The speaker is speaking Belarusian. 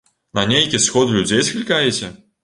На нейкі сход людзей склікаеце?